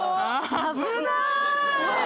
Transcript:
危ない。